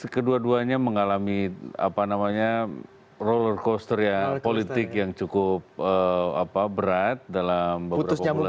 kedua duanya mengalami roller coaster ya politik yang cukup berat dalam beberapa bulan terakhir